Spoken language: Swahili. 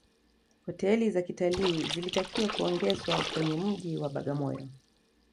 hoteli za kitalii zilitakiwa kuongezwa kwenye mji wa bagamoyo